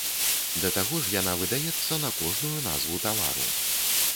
Да таго ж, яна выдаецца на кожную назву тавару.